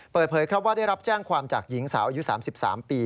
เปิดเผยครับว่าได้รับแจ้งความจากหญิงสาวอายุ๓๓ปี